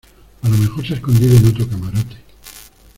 a lo mejor se ha escondido en otro camarote.